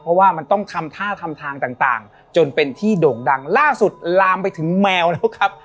เพราะว่ามันต้องทำท่าทำทางต่างจนเป็นที่โด่งดังล่าสุดลามไปถึงแมวแล้วครับ